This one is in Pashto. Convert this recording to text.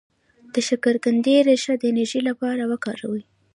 د شکرقندي ریښه د انرژی لپاره وکاروئ